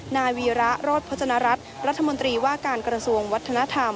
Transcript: นายวีระโรธพจนรัฐรัฐรัฐมนตรีว่าการกระทรวงวัฒนธรรม